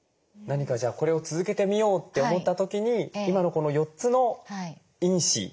何かじゃあこれを続けてみようって思った時に今のこの４つの因子